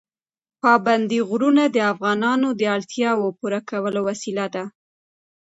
پابندي غرونه د افغانانو د اړتیاوو پوره کولو وسیله ده.